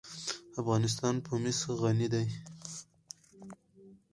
افغانستان په مس غني دی.